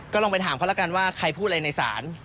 ลองไปถามเขาแล้วกันว่าใครพูดอะไรในศาล